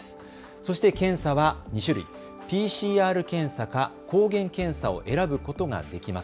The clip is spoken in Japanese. そして検査は２種類、ＰＣＲ検査か抗原検査を選ぶことができます。